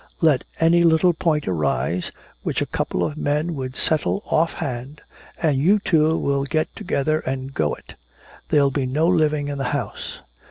Let any little point arise, which a couple of men would settle offhand, and you two will get together and go it! There'll be no living in the house!"